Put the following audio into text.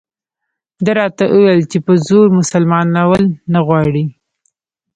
ده راته وویل چې په زور مسلمانول نه غواړي.